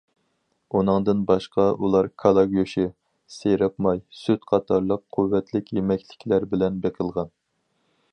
ئۇنىڭدىن باشقا، ئۇلار كالا گۆشى، سېرىق ماي، سۈت قاتارلىق قۇۋۋەتلىك يېمەكلىكلەر بىلەن بېقىلغان.